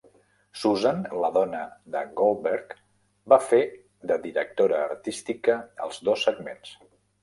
Susan, la dona de Goldberg va fer de directora artística als dos segments.